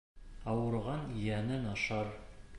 Ауырыған йәнен ашар.